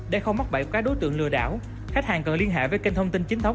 để không mắc bẫy của các đối tượng lừa đảo khách hàng cần liên hệ với kênh thông tin chính thống